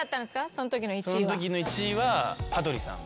そんときの１位は羽鳥さんで。